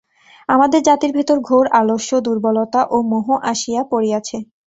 আমাদের জাতির ভিতর ঘোর আলস্য, দুর্বলতা ও মোহ আসিয়া পড়িয়াছে।